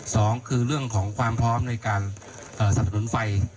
สองคือเรื่องของความพร้อมในการสนับสนุนไฟ